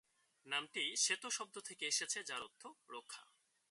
নামটি সোথো শব্দ থেকে এসেছে যার অর্থ রক্ষা।